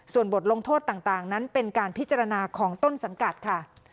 ส่วนบทลงโทษต่างนั้นเป็นการพิจารณาของต้นสังกัดค่ะ